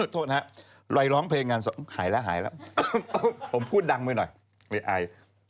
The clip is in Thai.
โทษครับไว้ร้องเพลงกันหายแล้วผมพูดดังไปหน่อย